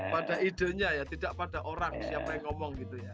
pada idenya ya tidak pada orang siapa yang ngomong gitu ya